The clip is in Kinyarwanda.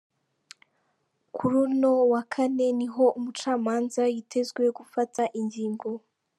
Kuri uno wa kane niho umucamanza yitezwe gufata ingingo.